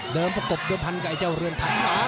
เดิมประกบด้วยพันธ์ไก่เจ้าเรือนธรรมศร้า